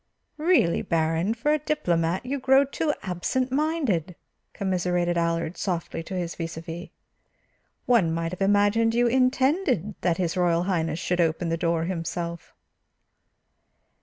"Really, Baron, for a diplomat you grow too absent minded," commiserated Allard softly to his vis à vis. "One might have imagined you intended that his Royal Highness should open the door himself."